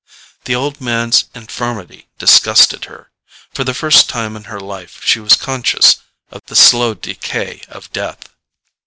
The old man's infirmity disgusted her; for the first time in her life she was conscious of the slow decay of death.